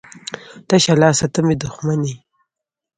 تشه لاسو ته مې دښمن یې.